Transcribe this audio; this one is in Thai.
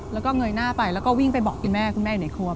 แล้วก็เงยหน้าไปแล้วก็วิ่งไปบอกคุณแม่คุณแม่อยู่ในครัว